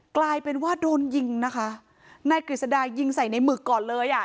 กลายเป็นว่าโดนยิงนะคะนายกฤษดายิงใส่ในหมึกก่อนเลยอ่ะ